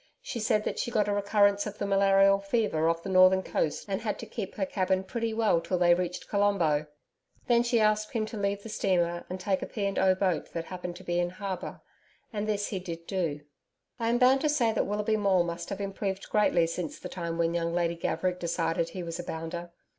She said that she got a recurrence of the malarial fever off the northern coast and had to keep her cabin pretty well till they reached Colombo. Then she asked him to leave the steamer and take a P. and O. boat that happened to be in harbour and this he did do. I am bound to say that Willoughby Maule must have improved greatly since the time when young Lady Gaverick decided he was a 'bounder.'